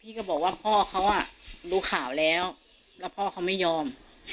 ก็บอกว่าพ่อเขาอ่ะดูข่าวแล้วแล้วพ่อเขาไม่ยอม